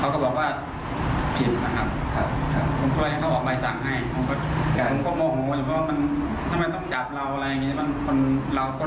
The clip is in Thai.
กับคุณพ่ออ